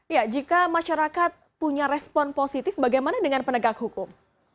ya jika masyarakat punya respon positif bagaimana dengan penegak hukum